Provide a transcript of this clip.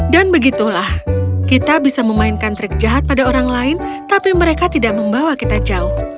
dan begitulah kita bisa memainkan trik jahat pada orang lain tapi mereka tidak membawa kita jauh